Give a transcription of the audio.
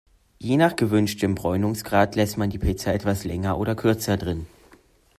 Je nach gewünschtem Bräunungsgrad lässt man die Pizza etwas länger oder kürzer drin.